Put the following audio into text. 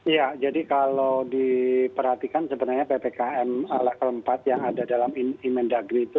ya jadi kalau diperhatikan sebenarnya ppkm level empat yang ada dalam inmen dagri itu